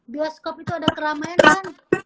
bioskop itu ada keramaian